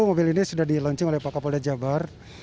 mobil ini sudah dilaunching oleh pak kapol dajabar